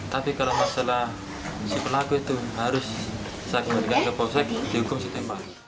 tapi kalau masalah si pelaku itu harus disakitkan ke posek dihukum setempat